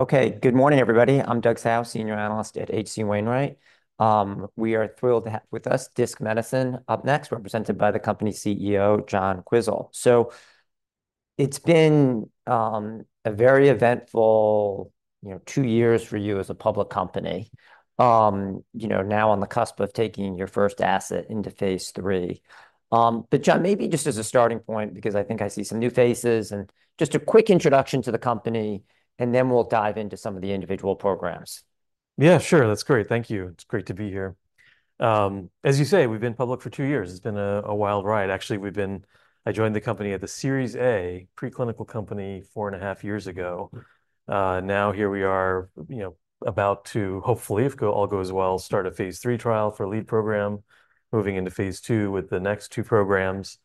Okay. Good morning, everybody. I'm Douglas Tsao, senior analyst at H.C. Wainwright. We are thrilled to have with us Disc Medicine up next represented by the company's CEO, John Quisel. It's been a very eventful, you know, two years for you as a public company. You know, now on the cusp of taking your first asset into phase III, but John, maybe just as a starting point, because I think I see some new faces, and just a quick introduction to the company, and then we'll dive into some of the individual programs. Yeah, sure. That's great. Thank you. It's great to be here. As you say, we've been public for two years. It's been a wild ride. Actually, I joined the company at the Series A preclinical company four and a half years ago. Now here we are, you know, about to, hopefully, if all goes well, start a phase III trial for our lead program, moving into phase II with the next two programs.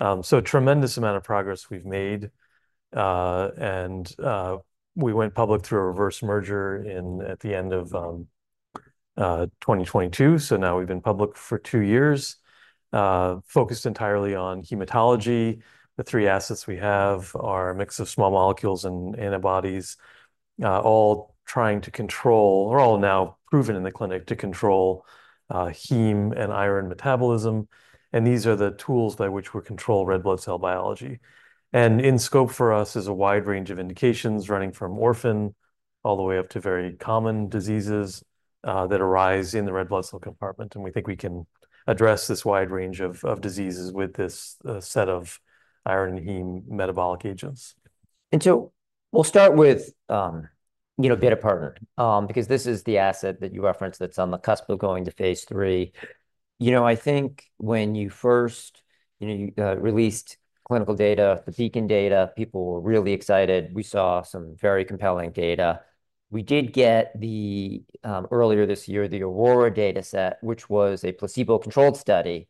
So a tremendous amount of progress we've made. We went public through a reverse merger at the end of 2022, so now we've been public for two years, focused entirely on hematology. The three assets we have are a mix of small molecules and antibodies, all trying to control...They're all now proven in the clinic to control heme and iron metabolism, and these are the tools by which we control red blood cell biology, and in scope for us is a wide range of indications, running from orphan all the way up to very common diseases that arise in the red blood cell compartment, and we think we can address this wide range of diseases with this set of iron and heme metabolic agents. And so we'll start with, you know bitopertin, because this is the asset that you referenced that's on the cusp of going to phase III. You know I think when you first, you know released clinical data the BEACON data people were really excited. We saw some very compelling data. We did get the, earlier this year, the AURORA dataset, which was a placebo-controlled study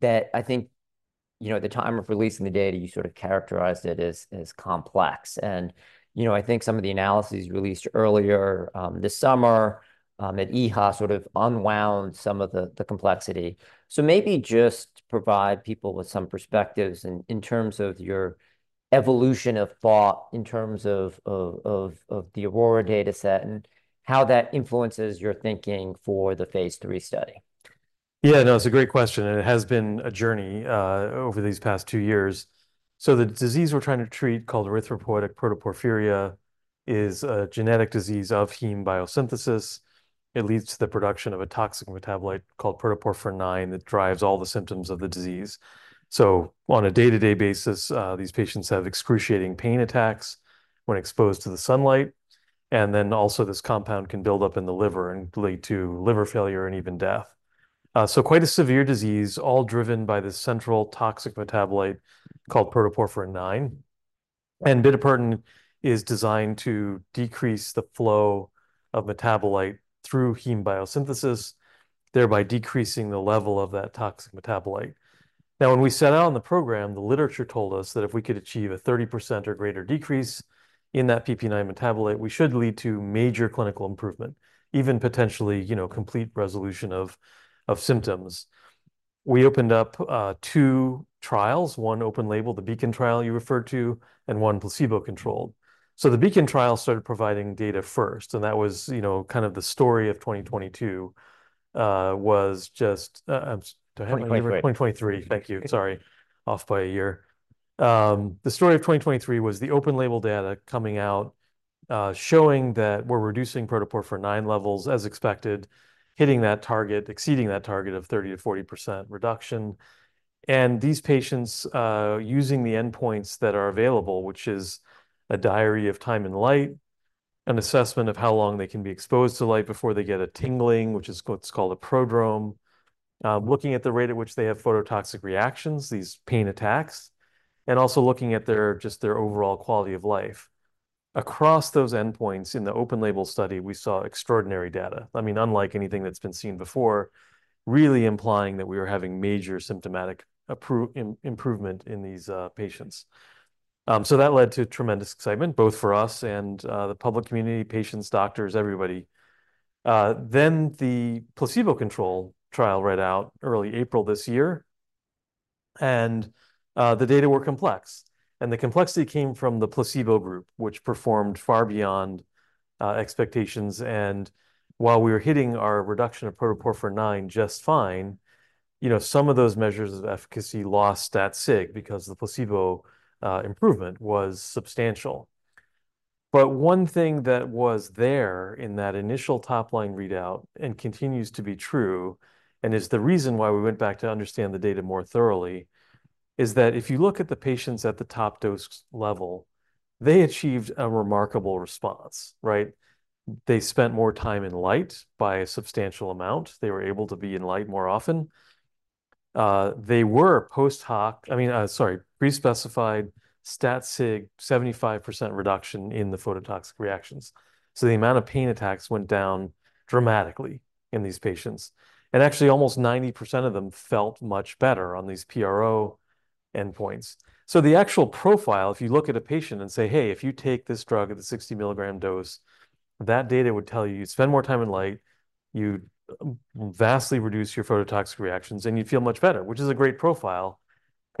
that I think, you know, at the time of releasing the data, you sort of characterized it as, as complex. And, you know, I think some of the analyses released earlier, this summer, at EHA sort of unwound some of the complexity. Maybe just provide people with some perspectives in terms of your evolution of thought, in terms of the AURORA dataset and how that influences your thinking for the phase III study. Yeah, no, it's a great question, and it has been a journey over these past two years. So the disease we're trying to treat, called erythropoietic protoporphyria, is a genetic disease of heme biosynthesis. It leads to the production of a toxic metabolite called protoporphyrin IX that drives all the symptoms of the disease. So on a day-to-day basis, these patients have excruciating pain attacks when exposed to the sunlight, and then also this compound can build up in the liver and lead to liver failure and even death. So quite a severe disease, all driven by this central toxic metabolite called protoporphyrin IX. And bitopertin is designed to decrease the flow of metabolite through heme biosynthesis, thereby decreasing the level of that toxic metabolite. Now, when we set out on the program, the literature told us that if we could achieve a 30% or greater decrease in that PPIX metabolite, we should lead to major clinical improvement, even potentially, you know, complete resolution of symptoms. We opened up two trials, one open-label, the BEACON trial you referred to, and one placebo-controlled. So the BEACON trial started providing data first, and that was, you know, kind of the story of twenty twenty-two, was just to- Twenty twenty-three. 2023. Thank you. Sorry, off by a year. The story of 2023 was the open-label data coming out, showing that we're reducing protoporphyrin IX levels as expected, hitting that target, exceeding that target of 30%-40% reduction. And these patients, using the endpoints that are available, which is a diary of time ina light, an assessment of how long they can be exposed to light before they get a tingling, which is what's called a prodrome. Looking at the rate at which they have phototoxic reactions, these pain attacks, and also looking at their, just their overall quality of life. Across those endpoints, in the open-label study, we saw extraordinary data, I mean, unlike anything that's been seen before, really implying that we are having major symptomatic improvement in these patients. So that led to tremendous excitement both for us and the public community, patients, doctors, everybody. Then the placebo-controlled trial read out early April this year, and the data were complex, and the complexity came from the placebo group, which performed far beyond expectations. And while we were hitting our reduction of protoporphyrin IX just fine, you know, some of those measures of efficacy lost that sig because the placebo improvement was substantial. But one thing that was there in that initial top-line readout, and continues to be true, and is the reason why we went back to understand the data more thoroughly, is that if you look at the patients at the top dose level, they achieved a remarkable response, right? They spent more time in light by a substantial amount. They were able to be in light more often. They were post-hoc. I mean, sorry, pre-specified stat sig, 75% reduction in the phototoxic reactions. So the amount of pain attacks went down dramatically in these patients, and actually, almost 90% of them felt much better on these PRO endpoints. So the actual profile, if you look at a patient and say, "Hey, if you take this drug at a 60 milligram dose," that data would tell you, you'd spend more time in light, you'd vastly reduce your phototoxic reactions, and you'd feel much better, which is a great profile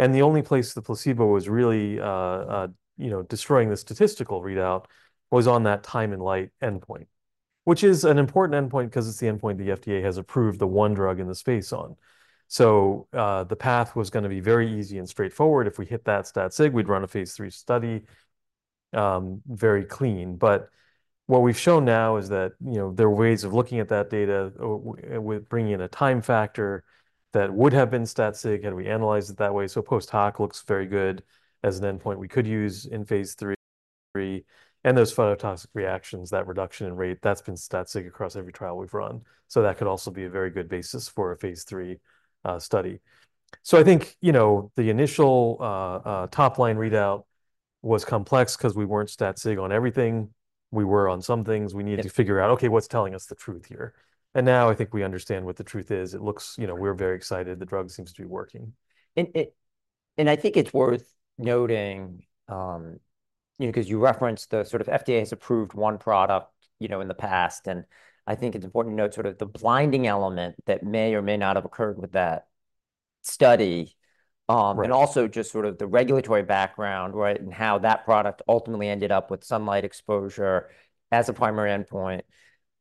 and the only place the placebo was really, you know, destroying the statistical readout was on that time in light endpoint, which is an important endpoint because it's the endpoint the FDA has approved the one drug in the space on. The path was gonna be very easy and straightforward. If we hit that stat sig, we'd run a phase 3 study very clean, but what we've shown now is that, you know, there are ways of looking at that data with bringing in a time factor that would have been stat sig, and we analyzed it that way, so post-hoc looks very good as an endpoint we could use in phase 3 and those phototoxic reactions, that reduction in rate, that's been stat sig across every trial we've run, so that could also be a very good basis for a phase 3 study, so I think, you know, the initial top-line readout was complex 'cause we weren't stat sig on everything. We were on some things. Yeah. We needed to figure out, okay, what's telling us the truth here? And now I think we understand what the truth is. It looks, you know, we're very excited. The drug seems to be working. I think it's worth noting, you know, 'cause you referenced the sort of FDA's approved one product, you know, in the past, and I think it's important to note sort of the blinding element that may or may not have occurred with that study. Right... and also just sort of the regulatory background, right? And how that product ultimately ended up with sunlight exposure as a primary endpoint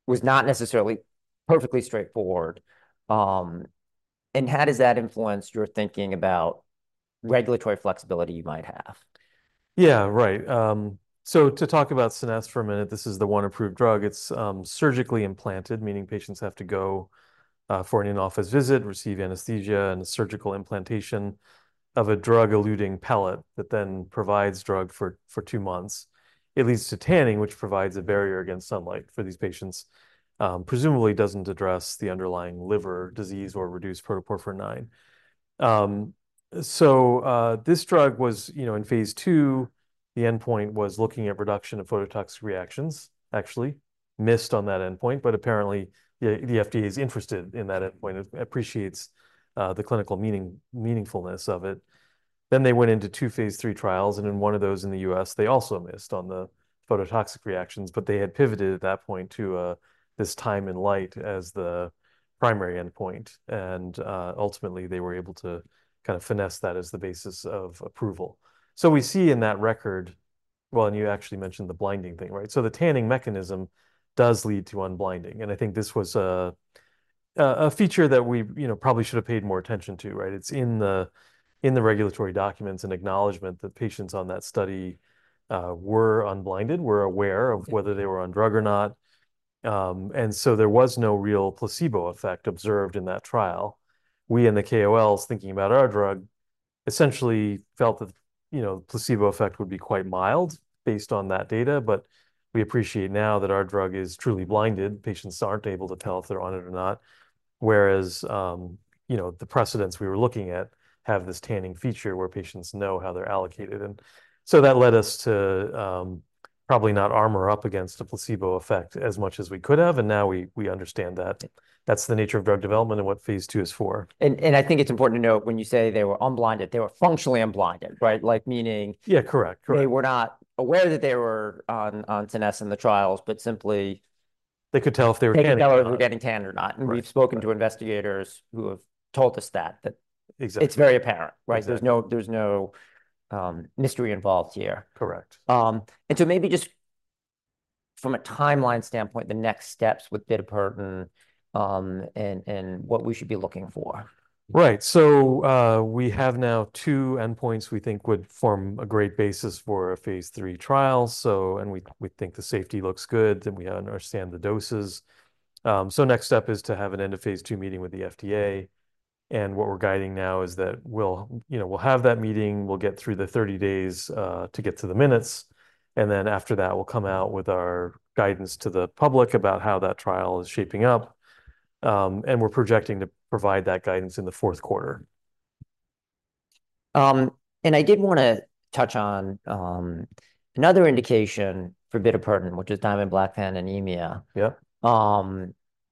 was not necessarily perfectly straightforward. And how does that influence your thinking about regulatory flexibility you might have? Yeah, right. To talk about Scenesse for a minute, this is the one approved drug. It's surgically implanted, meaning patients have to go for an in-office visit, receive anesthesia, and a surgical implantation of a drug-eluting pellet that then provides drug for two months. It leads to tanning, which provides a barrier against sunlight for these patients. Presumably, it doesn't address the underlying liver disease or reduced protoporphyrin IX. This drug was, you know, in phase 2. The endpoint was looking at reduction of phototoxic reactions, actually missed on that endpoint, but apparently the FDA is interested in that endpoint. It appreciates the clinical meaningfulness of it. Then they went into two phase 3 trials, and in one of those in the U.S., they also missed on the phototoxic reactions, but they had pivoted at that point to time in light as the primary endpoint, and ultimately they were able to kind of finesse that as the basis of approval. So we see in that record. Well, and you actually mentioned the blinding thing, right? So the tanning mechanism does lead to unblinding, and I think this was a feature that we, you know, probably should have paid more attention to, right? It's in the regulatory documents, an acknowledgment that patients on that study were unblinded, were aware of- Yeah... whether they were on drug or not, and so there was no real placebo effect observed in that trial. We and the KOLs, thinking about our drug, essentially felt that, you know, the placebo effect would be quite mild based on that data, but we appreciate now that our drug is truly blinded. Patients aren't able to tell if they're on it or not, whereas, you know, the precedents we were looking at have this tanning feature where patients know how they're allocated, and so that led us to probably not armor up against a placebo effect as much as we could have, and now we understand that. Yeah. That's the nature of drug development and what phase 2 is for. I think it's important to note, when you say they were unblinded, they were functionally unblinded, right? Like, meaning- Yeah. Correct. Correct. They were not aware that they were on Scenesse in the trials, but simply- They could tell if they were tanning.... they could tell if they were getting tanned or not. Right. Correct. And we've spoken to investigators who have told us that, Exactly... it's very apparent, right? Exactly. There's no mystery involved here. Correct. And so maybe just from a timeline standpoint, the next steps with bitopertin, and what we should be looking for. Right. So, we have now two endpoints we think would form a great basis for a phase 3 trial. So and we, we think the safety looks good, and we understand the doses. So next step is to have an end-of-phase 2 meeting with the FDA, and what we're guiding now is that we'll, you know, we'll have that meeting, we'll get through the thirty days to get to the minutes, and then after that, we'll come out with our guidance to the public about how that trial is shaping up. And we're projecting to provide that guidance in the fourth quarter. And I did wanna touch on another indication for Bitopertin, which is Diamond-Blackfan anemia. Yeah.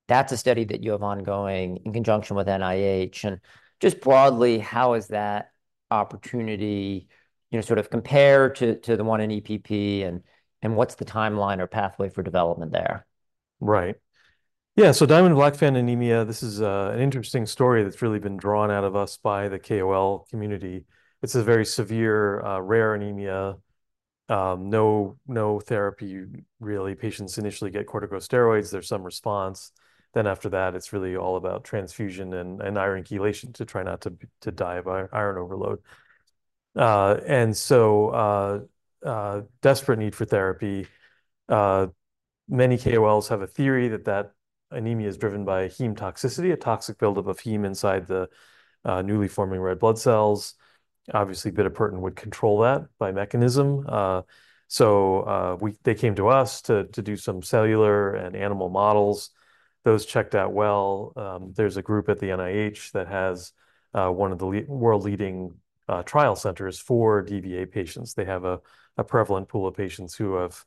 That's a study that you have ongoing in conjunction with NIH, and just broadly, how is that opportunity, you know, sort of compare to the one in EPP, and what's the timeline or pathway for development there? Right. Yeah, so Diamond-Blackfan anemia, this is an interesting story that's really been drawn out of us by the KOL community. It's a very severe rare anemia. No, no therapy really. Patients initially get corticosteroids. There's some response. Then after that, it's really all about transfusion and iron chelation to try not to die of iron overload, and so desperate need for therapy. Many KOLs have a theory that that anemia is driven by heme toxicity, a toxic build-up of heme inside the newly forming red blood cells. Obviously, bitopertin would control that by mechanism. They came to us to do some cellular and animal models. Those checked out well. There's a group at the NIH that has one of the world-leading trial centers for DBA patients. They have a prevalent pool of patients who have,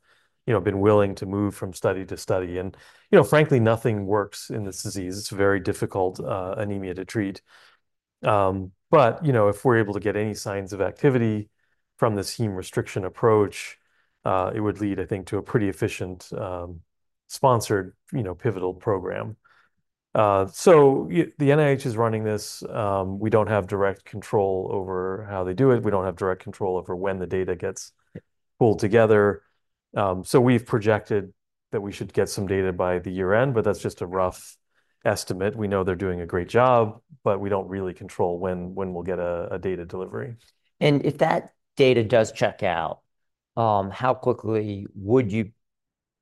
you know, been willing to move from study to study. And, you know, frankly, nothing works in this disease. It's a very difficult anemia to treat. But, you know, if we're able to get any signs of activity from the heme restriction approach, it would lead, I think, to a pretty efficient sponsored, you know, pivotal program. So the NIH is running this. We don't have direct control over how they do it. We don't have direct control over when the data gets pulled together. So we've projected that we should get some data by the year-end, but that's just a rough estimate. We know they're doing a great job, but we don't really control when we'll get a data delivery. If that data does check out, how quickly would you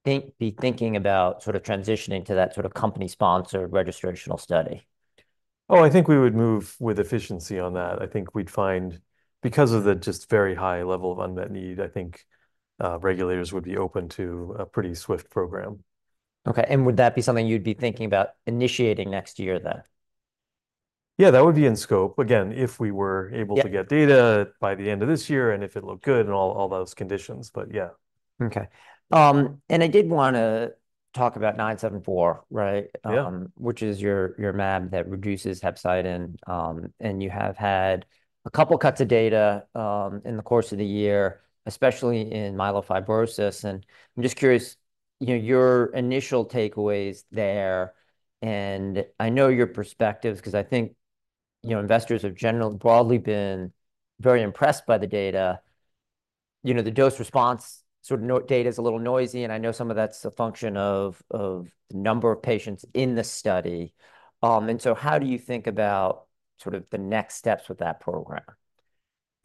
be thinking about sort of transitioning to that sort of company-sponsored registrational study? Oh, I think we would move with efficiency on that. I think we'd find, because of the just very high level of unmet need, I think, regulators would be open to a pretty swift program. Okay, and would that be something you'd be thinking about initiating next year then? Yeah, that would be in scope, again, if we were able- Yeah... to get data by the end of this year, and if it looked good and all, all those conditions, but yeah. Okay, and I did want to talk about 974 right? Yeah. Which is your mAb that reduces hepcidin, and you have had a couple cuts of data in the course of the year, especially in myelofibrosis. I'm just curious, you know, your initial takeaways there, and I know your perspectives because I think, you know, investors have generally broadly been very impressed by the data. You know, the dose response sort of data's a little noisy, and I know some of that's a function of the number of patients in the study. And so how do you think about sort of the next steps with that program?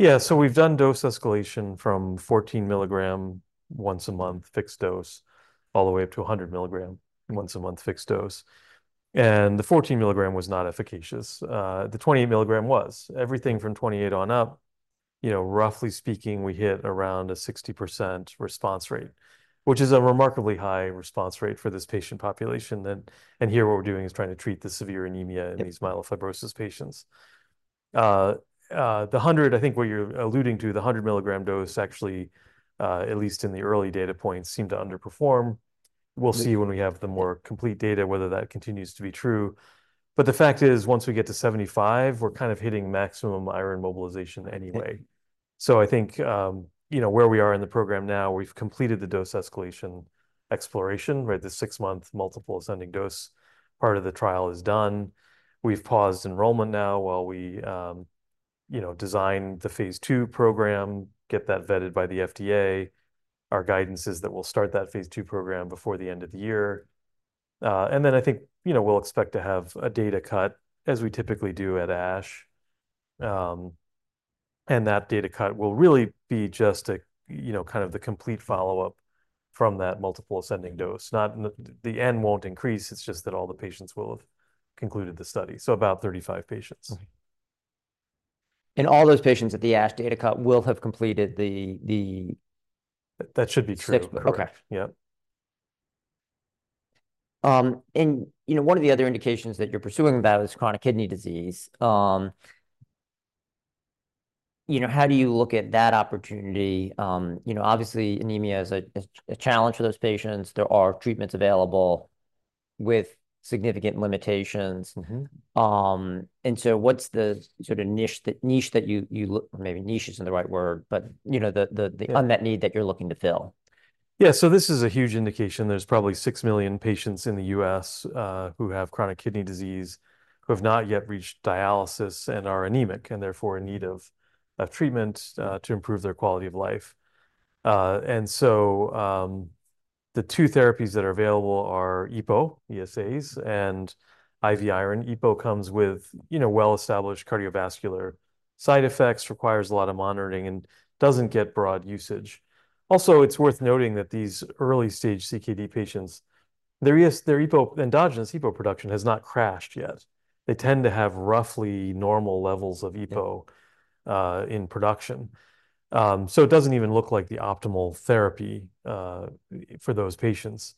Yeah. So we've done dose escalation from 14 milligram once a month fixed dose, all the way up to 100 milligram once a month fixed dose, and the 14 milligram was not efficacious. The 28 milligram was. Everything from 28 on up, you know, roughly speaking, we hit around a 60% response rate, which is a remarkably high response rate for this patient population. And here, what we're doing is trying to treat the severe anemia. Yeah... in these myelofibrosis patients. The 100, I think what you're alluding to, the 100 milligram dose actually, at least in the early data points, seemed to underperform. Mm-hmm. We'll see when we have the more complete data, whether that continues to be true. But the fact is, once we get to seventy-five, we're kind of hitting maximum iron mobilization anyway. Yeah. So I think, you know, where we are in the program now, we've completed the dose escalation exploration, right? The six-month multiple ascending dose part of the trial is done. We've paused enrollment now while we, you know, design the phase II program, get that vetted by the FDA. Our guidance is that we'll start that phase II program before the end of the year. And then I think, you know, we'll expect to have a data cut, as we typically do, at ASH. And that data cut will really be just a, you know, kind of the complete follow-up from that multiple ascending dose, not the n won't increase, it's just that all the patients will have concluded the study, so about 35 patients. Okay. And all those patients at the ASH data cut will have completed the- That should be true. Okay. Yeah. And you know, one of the other indications that you're pursuing about is chronic kidney disease. You know, how do you look at that opportunity? You know, obviously, anemia is a challenge for those patients. There are treatments available with significant limitations. Mm-hmm. So what's the sort of niche that you look... Maybe niche isn't the right word, but you know. Yeah... the unmet need that you're looking to fill? Yeah, so this is a huge indication. There's probably six million patients in the U.S., who have chronic kidney disease, who have not yet reached dialysis and are anemic, and therefore in need of treatment to improve their quality of life. And so, the two therapies that are available are EPO, ESAs, and IV iron. EPO comes with, you know, well-established cardiovascular side effects, requires a lot of monitoring, and doesn't get broad usage. Also, it's worth noting that these early-stage CKD patients, their EPO, endogenous EPO production has not crashed yet. They tend to have roughly normal levels of EPO- Yeah... in production, so it doesn't even look like the optimal therapy for those patients.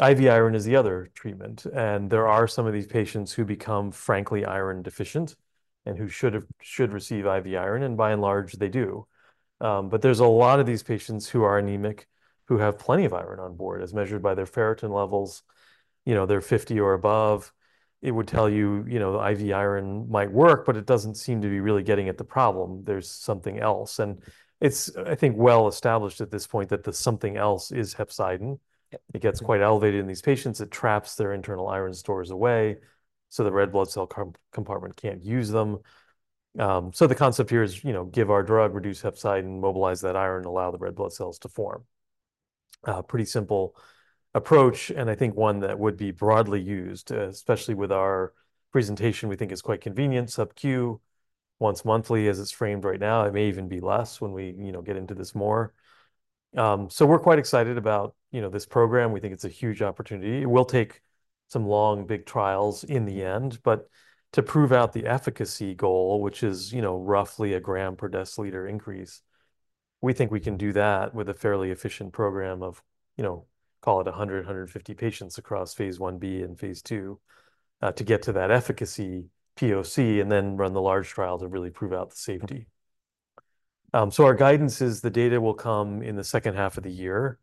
IV iron is the other treatment, and there are some of these patients who become frankly iron deficient and who should receive IV iron, and by and large, they do, but there's a lot of these patients who are anemic, who have plenty of iron on board, as measured by their ferritin levels. You know, they're 50 or above. It would tell you, you know, the IV iron might work, but it doesn't seem to be really getting at the problem. There's something else, and it's, I think, well established at this point that the something else is hepcidin. Yeah. It gets quite elevated in these patients. It traps their internal iron stores away, so the red blood cell compartment can't use them. So the concept here is, you know, give our drug, reduce hepcidin, mobilize that iron, allow the red blood cells to form. Pretty simple approach, and I think one that would be broadly used, especially with our presentation we think is quite convenient. SubQ, once monthly, as it's framed right now. It may even be less when we, you know, get into this more. So we're quite excited about, you know, this program. We think it's a huge opportunity. It will take some long, big trials in the end, but to prove out the efficacy goal, which is, you know, roughly a gram per deciliter increase, we think we can do that with a fairly efficient program of, you know, call it 100, 150 patients across phase Ib and phase II, to get to that efficacy POC and then run the large trial to really prove out the safety. So our guidance is the data will come in the second half of the year.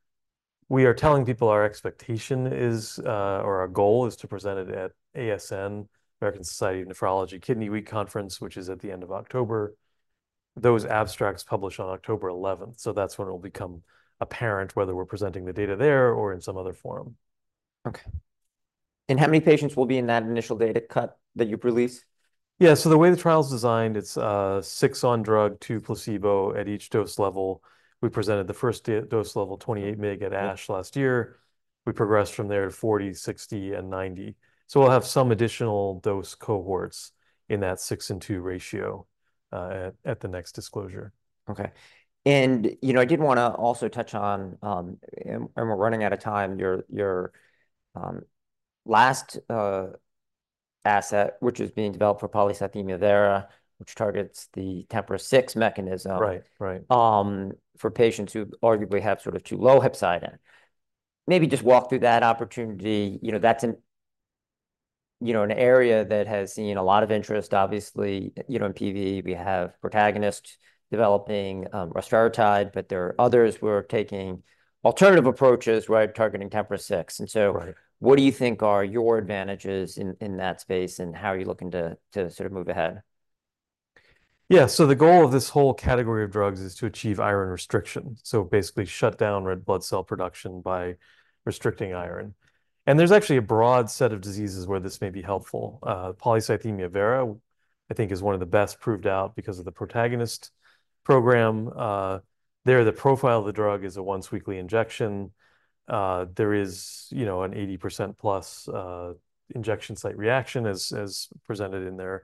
We are telling people our expectation is, or our goal is to present it at ASN, American Society of Nephrology Kidney Week conference, which is at the end of October. Those abstracts publish on October eleventh, so that's when it'll become apparent whether we're presenting the data there or in some other forum. Okay. And how many patients will be in that initial data cut that you've released? Yeah, so the way the trial is designed, it's six on drug, two placebo at each dose level. We presented the first dose level, 28 mg, at ASH last year. We progressed from there to 40, 60, and 90. So we'll have some additional dose cohorts in that six and two ratio at the next disclosure. Okay. And you know, I did want to also touch on, and we're running out of time, your last asset, which is being developed for polycythemia vera, which targets the TMPRSS6 mechanism- Right. Right. For patients who arguably have sort of too low hepcidin. Maybe just walk through that opportunity. You know, that's an, you know, an area that has seen a lot of interest, obviously. You know, in PV, we have Protagonist developing, rusfertide, but there are others who are taking alternative approaches, right, targeting TMPRSS6. Right. And so what do you think are your advantages in that space, and how are you looking to sort of move ahead? Yeah. So the goal of this whole category of drugs is to achieve iron restriction, so basically shut down red blood cell production by restricting iron. And there's actually a broad set of diseases where this may be helpful. Polycythemia vera, I think, is one of the best proved out because of the Protagonist program. There, the profile of the drug is a once-weekly injection. There is, you know, an 80% plus injection site reaction, as presented in their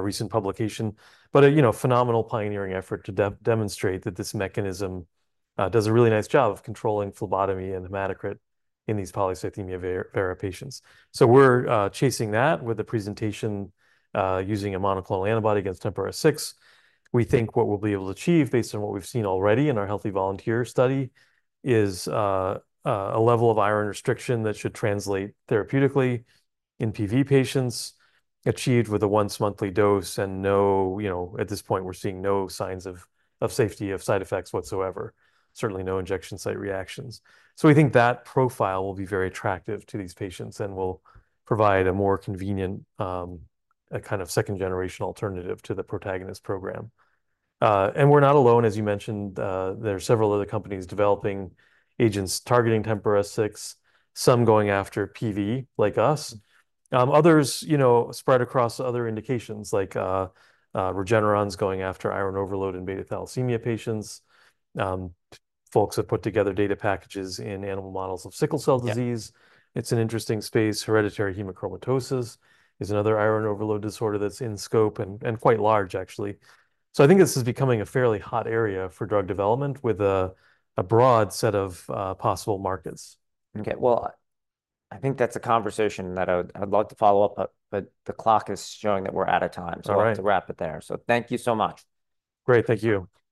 recent publication. But a, you know, phenomenal pioneering effort to demonstrate that this mechanism does a really nice job of controlling phlebotomy and hematocrit in these polycythemia vera patients. So we're chasing that with a presentation using a monoclonal antibody against TMPRSS6. We think what we'll be able to achieve, based on what we've seen already in our healthy volunteer study, is a level of iron restriction that should translate therapeutically in PV patients, achieved with a once-monthly dose and no. You know, at this point, we're seeing no signs of safety, of side effects whatsoever, certainly no injection site reactions. So we think that profile will be very attractive to these patients and will provide a more convenient, a kind of second-generation alternative to the Protagonist program. And we're not alone, as you mentioned, there are several other companies developing agents targeting TMPRSS6, some going after PV, like us. Others, you know, spread across other indications, like, Regeneron's going after iron overload in beta thalassemia patients. Folks have put together data packages in animal models of sickle cell disease. Yeah. It's an interesting space. Hereditary hemochromatosis is another iron overload disorder that's in scope and quite large, actually. So I think this is becoming a fairly hot area for drug development, with a broad set of possible markets. Okay, well, I think that's a conversation that I'd like to follow up, but the clock is showing that we're out of time. All right. So let's wrap it there. So thank you so much. Great. Thank you.